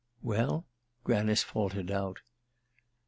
"Well?" Granice faltered out.